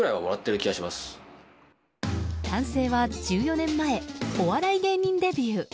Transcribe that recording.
男性は１４年前、お笑い芸人デビュー。